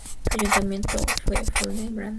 Ayuntamiento de Fuenlabrada.